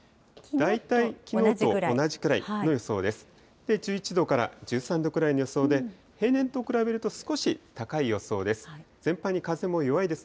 大体きのうの同じぐらいの予想です。